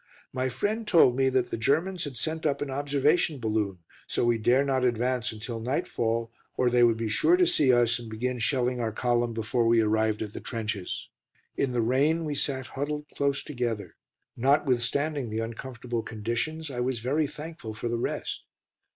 My friend told me that the Germans had sent up an observation balloon, so we dare not advance until nightfall, or they would be sure to see us and begin shelling our column before we arrived at the trenches. In the rain we sat huddled close together. Notwithstanding the uncomfortable conditions, I was very thankful for the rest.